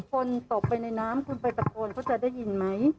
คนตกไปในน้ำคุณไปตะโกนเขาจะได้ยินไหม